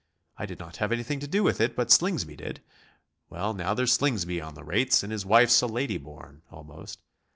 I did not have anything to do with it, but Slingsby did. Well, now there's Slingsby on the rates and his wife a lady born, almost.